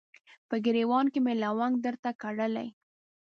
په ګریوان کې مې لونګ درته کرلي